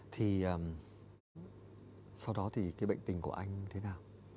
thì sau đó thì cái bệnh tình của anh thế nào